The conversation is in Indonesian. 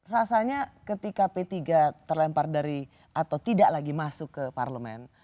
rasanya ketika p tiga terlempar dari atau tidak lagi masuk ke parlemen